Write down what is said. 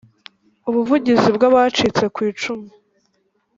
Ubuvugizi bw Abacitse Ku Icumu